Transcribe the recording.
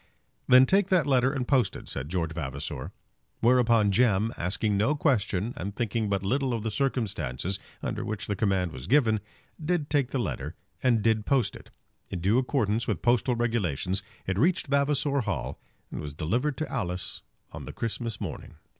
"Then take that letter and post it," said George Vavasor. Whereupon Jem, asking no question and thinking but little of the circumstances under which the command was given, did take the letter and did post it. In due accordance with postal regulations it reached Vavasor Hall and was delivered to Alice on the Christmas morning.